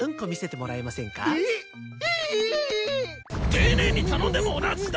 丁寧に頼んでも同じだ！